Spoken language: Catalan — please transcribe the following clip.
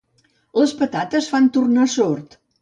Les patates fan tornar sord.